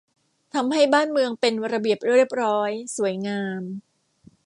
ทำให้บ้านเมืองเป็นระเบียบเรียบร้อย สวยงาม